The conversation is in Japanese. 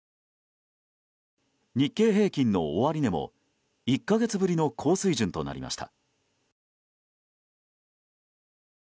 日経平均の終値も１か月ぶりの高水準となりました。